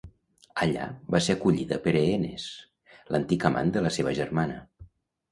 Allà va ser acollida per Enees, l'antic amant de la seva germana.